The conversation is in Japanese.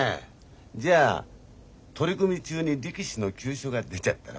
じゃあ取組中に力士の急所が出ちゃったら？